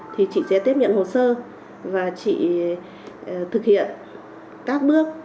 thì chị sẽ tiếp nhận hồ sơ và chị thực hiện các bước